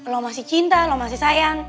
lo masih cinta lo masih sayang